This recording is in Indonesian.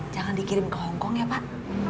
jangan dikirim ke hongkong ya pak